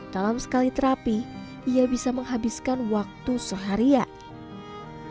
dalam sekali terapi ia bisa menghabiskan waktu seharian